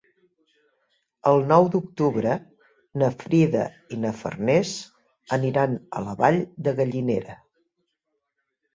El nou d'octubre na Frida i na Farners aniran a la Vall de Gallinera.